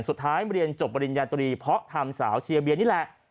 สุดท้ายเรียนจบปริญญาตรีเพราะทำสาวเชียร์เบียนี่แหละ